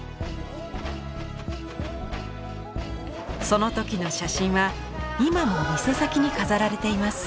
その時の写真は今も店先に飾られています。